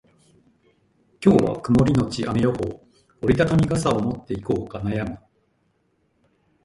今日は曇りのち雨予報。折り畳み傘を持っていこうか悩む。